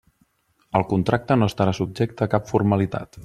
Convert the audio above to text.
El contracte no estarà subjecte a cap formalitat.